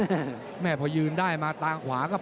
โอ้โหแดงโชว์อีกเลยเดี๋ยวดูผู้ดอลก่อน